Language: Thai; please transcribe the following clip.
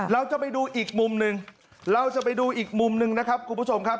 เราจะไปดูอีกมุมหนึ่งเราจะไปดูอีกมุมหนึ่งนะครับคุณผู้ชมครับ